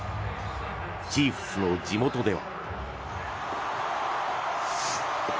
チーフスの地元では。